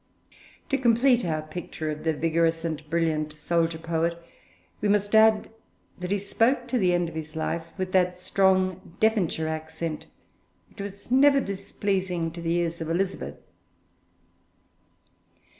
To complete our picture of the vigorous and brilliant soldier poet, we must add that he spoke to the end of his life with that strong Devonshire accent which was never displeasing to the ears of Elizabeth.